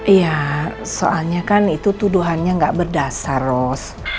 iya soalnya kan itu tuduhannya nggak berdasar ros